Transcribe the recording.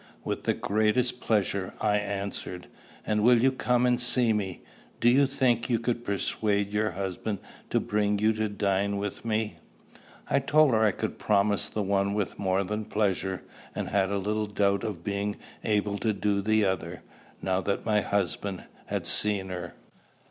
"With the greatest pleasure," I answered. "And will you come and see me? Do you think you could persuade your husband to bring you to dine with me?" I told her I could promise the one with more than pleasure, and had little doubt of being able to do the other, now that my husband had seen her.